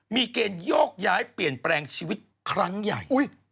มีเกณฑ์โยกย้ายเปลี่ยนแปลงชีวิตครั้งใหญ่